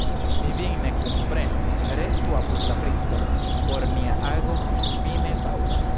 Mi vin ne kunprenos, restu apud la princo, por nia ago vi ne taŭgas.